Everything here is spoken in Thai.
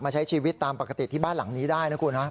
ใช้ชีวิตตามปกติที่บ้านหลังนี้ได้นะคุณฮะ